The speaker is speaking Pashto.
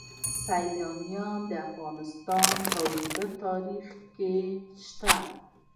سیلاني ځایونه د افغانستان په اوږده تاریخ کې شته.